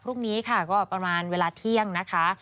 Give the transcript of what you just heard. พรุ่งนี้ค่ะก็ประมาณเวลาเที่ยงนะคะ